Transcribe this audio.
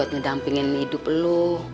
ngedampingin hidup lo